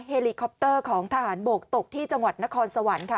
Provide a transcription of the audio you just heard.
เฮลิคอปเตอร์ของทหารบกตกที่จังหวัดนครสวรรค์ค่ะ